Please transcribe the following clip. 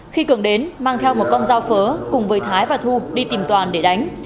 khi cường đến mang theo một con dao phớ cùng với thái và thu đi tìm toàn để đánh